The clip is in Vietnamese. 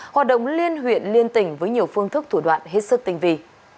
hoạt động liên huyện liên tỉnh với nhiều phương thức thủ đoạn hết sức tình vị